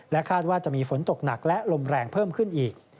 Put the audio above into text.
คาดว่าจะมีฝนตกหนักและลมแรงเพิ่มขึ้นอีก